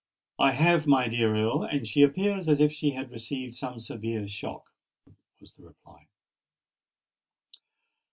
"I have, my dear Earl; and she appears as if she had received some severe shock," was the reply.